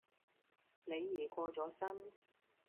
李怡過咗身